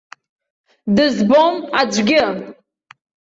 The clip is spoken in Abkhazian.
Дызбом аӡәгьы.